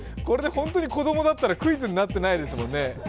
これで本当に子供だったらクイズになってないですもんね。